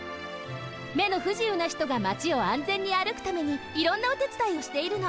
めのふじゆうなひとがマチをあんぜんにあるくためにいろんなおてつだいをしているの。